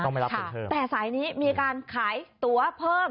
ต้องไม่รับเพิ่มเทอมแต่สายนี้มีการขายตัวเพิ่ม